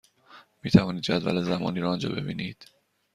می توانید جدول زمانی را آنجا ببینید.